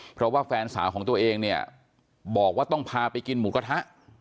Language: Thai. เพราะว่าแฟนสาวของตัวเองเนี่ยบอกว่าต้องพาไปกินหมูกระทะ